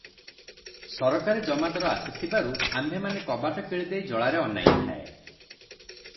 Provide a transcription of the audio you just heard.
ସରକାରୀ ଜମାଦାର ଆସିଥିବାରୁ ଆମ୍ଭେମାନେ କବାଟ କିଳିଦେଇ ଜଳାରେ ଅନାଇଥାଏ ।